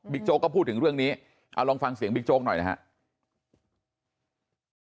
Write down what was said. โจ๊กก็พูดถึงเรื่องนี้เอาลองฟังเสียงบิ๊กโจ๊กหน่อยนะครับ